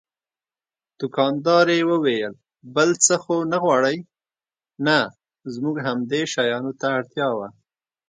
دوکاندارې وویل: بل څه خو نه غواړئ؟ نه، زموږ همدې شیانو ته اړتیا وه.